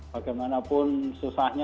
bagaimanapun susahnya kita selesaikan